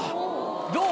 どう？